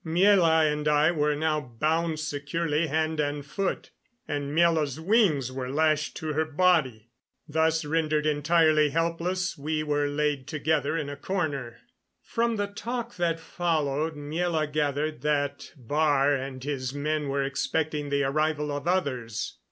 Miela and I were now bound securely hand and foot, and Miela's wings were lashed to her body. Thus rendered entirely helpless, we were laid together in a corner. From the talk that followed Miela gathered that Baar and his men were expecting the arrival of others.